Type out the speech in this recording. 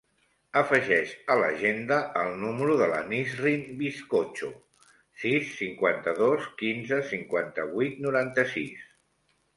Afegeix a l'agenda el número de la Nisrin Bizcocho: sis, cinquanta-dos, quinze, cinquanta-vuit, noranta-sis.